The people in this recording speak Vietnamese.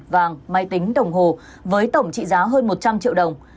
vàng máy tính đồng hồ với tổng trị giá hơn một trăm linh triệu đồng